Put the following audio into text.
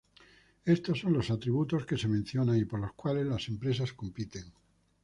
Estos son los atributos que se mencionan y por los cuales las empresas compiten.